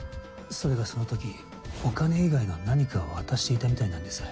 それがそのときお金以外の何かを渡していたみたいなんです。